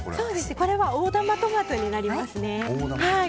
これは大玉トマトになりますね。